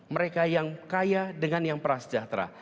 mereka yang kaya dengan yang prasejahtera